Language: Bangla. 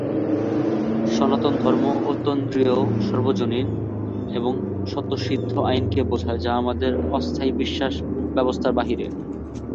সনাতন ধর্ম, অতীন্দ্রিয়, সর্বজনীন এবং স্বতঃসিদ্ধ আইনকে বোঝায় যা আমাদের অস্থায়ী বিশ্বাস ব্যবস্থার বাইরে।